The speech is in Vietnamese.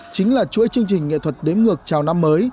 chính là chuỗi chương trình nghệ thuật đếm ngược chào năm mới